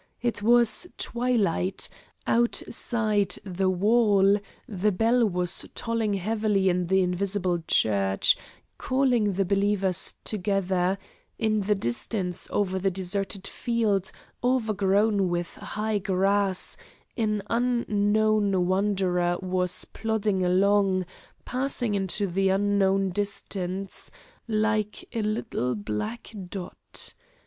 It was twilight; outside the wall the bell was tolling heavily in the invisible church, calling the believers together; in the distance, over the deserted field, overgrown with high grass, an unknown wanderer was plodding along, passing into the unknown distance, like a little black dot.